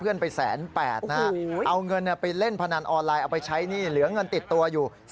เอาเงินไปเล่นพนันออนไลน์ไปใช้หรือเงินติดตัวอยู่